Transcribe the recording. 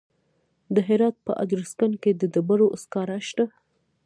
د هرات په ادرسکن کې د ډبرو سکاره شته.